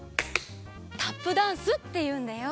タップダンスっていうんだよ。